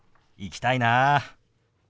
行きたいな。